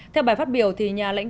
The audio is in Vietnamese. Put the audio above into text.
theo bài phát biểu nhà lãnh đạo pháp